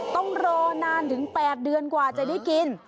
ต้องรอนานถึง๘เดือนกว่าจะได้กิน